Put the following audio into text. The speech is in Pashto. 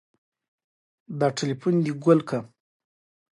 يو پرهر مې روغ نه شو